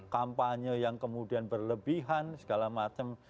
kampanye yang kemudian berlebihan segala macam